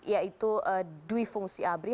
yaitu dwi fungsi abri